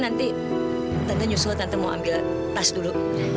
nanti tante nyusul tante mau ambil tas dulu